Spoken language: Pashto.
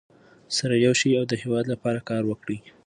سره یو شئ او د هېواد لپاره کار وکړئ.